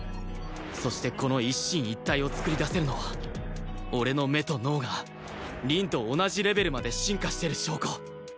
そしてこの一進一退を創り出せるのは俺の目と脳が凛と同じレベルまで進化してる証拠